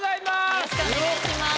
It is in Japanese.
よろしくお願いします。